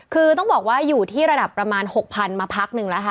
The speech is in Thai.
คือต้องบอกว่าอยู่ที่ระดับประมาณ๖๐๐๐มาพักนึงแล้วค่ะ